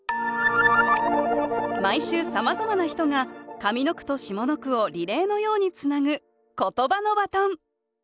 毎週さまざまな人が上の句と下の句をリレーのようにつなぐ「ことばのバトン」。